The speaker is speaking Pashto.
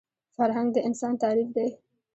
فرهنګ د انسان تعریف دی